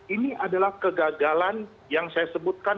ini adalah kegagalan yang saya sebutkan